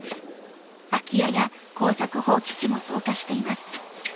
空き家や耕作放棄地も増加しています。